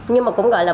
nhưng mà cũng gọi là